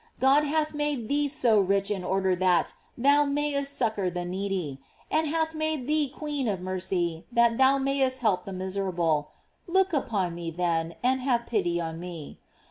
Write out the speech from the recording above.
God hath made thee so rich in order that thou rnayest suc cor the needy, and hath made thee queen of mercy that thou mayest help the miserable, look upon me, then, and have pity on me.